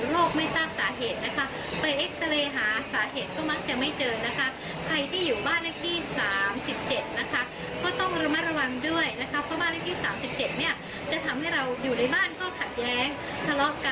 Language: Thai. และจุดดับสาเหตุมีวิธีแก้ฆาตค่ะ